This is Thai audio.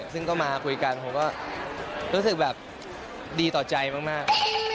ซึ่งก็มาคุยกันผมก็รู้สึกแบบดีต่อใจมาก